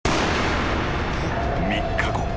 ［３日後。